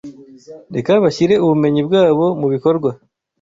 reka bashyire ubumenyi bwabo mu bikorwa